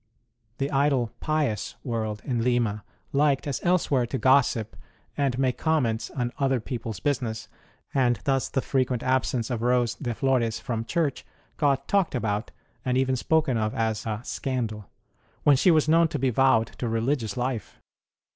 The idle pious world in Lima liked, as elsewhere, to gossip and make comments on other people s business, and thus the frequent absence of Rose de Flores from church got talked about, and even spoken of as a scandal, when she was known to be vowed to Religious life.